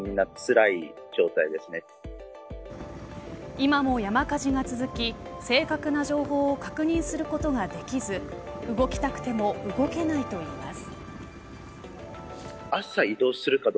今も山火事が続き正確な情報を確認することができず動きたくても動けないといいます。